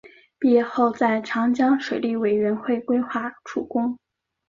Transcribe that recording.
毕业后在长江水利委员会规划处工。